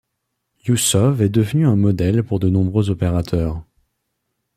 Ioussov est devenu un modèle pour de nombreux opérateurs.